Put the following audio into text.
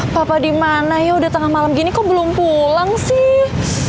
papa dimana ya udah tengah malam gini kok belum pulang sih